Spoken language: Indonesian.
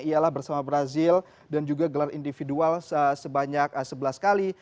ialah bersama brazil dan juga gelar individual sebanyak sebelas kali